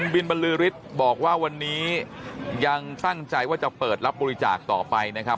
บินบรรลือฤทธิ์บอกว่าวันนี้ยังตั้งใจว่าจะเปิดรับบริจาคต่อไปนะครับ